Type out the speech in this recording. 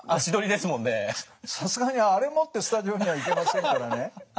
さすがにあれ持ってスタジオには行けませんからね。